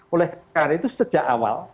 oleh karena itu sejak awal